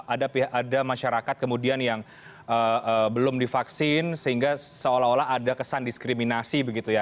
ada masyarakat kemudian yang belum divaksin sehingga seolah olah ada kesan diskriminasi begitu ya